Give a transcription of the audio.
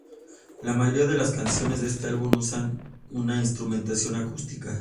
La mayoría de las canciones de este álbum usan una instrumentación acústica.